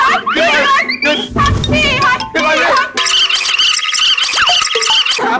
หลับพี่หอยพี่หอยพี่หอย